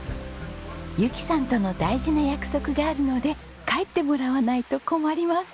由紀さんとの大事な約束があるので帰ってもらわないと困ります。